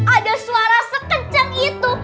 ada suara sekejap itu